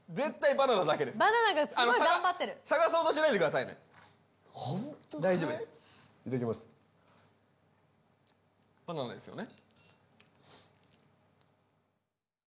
バナナですよね？